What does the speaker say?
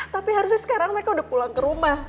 tapi harusnya sekarang mereka udah pulang ke rumah